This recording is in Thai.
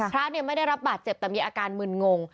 พระไม่ได้รับบาดเจ็บแต่มีอาการมึนงง